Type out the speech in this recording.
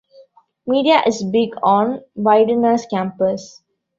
Media is big on Widener's campus.